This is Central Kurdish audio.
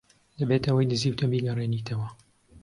دەبێت ئەوەی دزیوتە بیگەڕێنیتەوە.